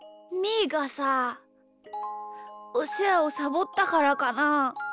ーがさおせわをサボったからかな？